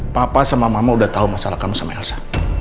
papa sama mama udah tahu masalah kamu sama elsa